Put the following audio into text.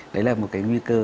đấy là một cái nguy cơ